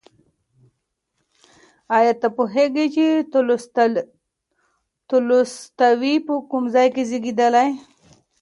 ایا ته پوهېږې چې تولستوی په کوم ځای کې زېږېدلی؟